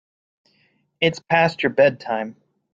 It's past your bedtime.